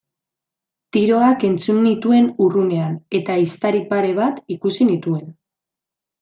Tiroak entzun nituen urrunean eta ehiztari pare bat ikusi nituen.